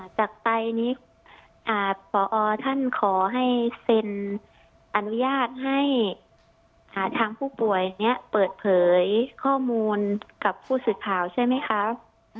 จากไปนี้พอท่านขอให้เซ็นอนุญาตให้หาทางผู้ป่วยนี้เปิดเผยข้อมูลกับผู้สื่อข่าวใช่ไหมคะ